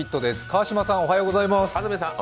安住さん、おはようございます。